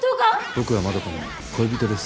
僕はまどかの恋人です。